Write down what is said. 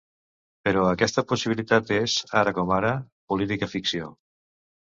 Però aquesta possibilitat és, ara com ara, política-ficció.